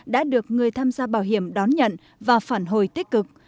đã được người tham gia bảo hiểm đón nhận và phản hồi tích cực